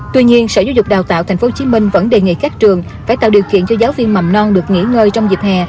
tuy nhiên sở giáo dục đào tạo tp hcm vẫn đề nghị các trường phải tạo điều kiện cho giáo viên mầm non được nghỉ ngơi trong dịp hè